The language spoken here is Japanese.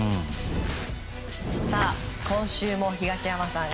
今週も東山さん